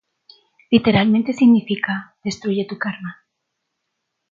Literalmente significa "destruye tú karma".